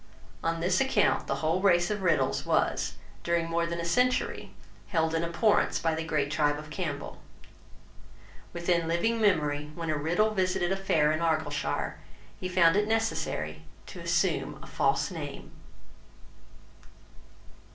On this account the whole race of Riddells was, during more than a century, held in abhorrence by the great tribe of Campbell. Within living memory, when a Riddell visited a fair in Argyleshire, he found it necessary to assume a false name.